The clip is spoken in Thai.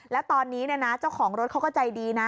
แล้วตอนนี้เจ้าของรถเขาก็ใจดีนะ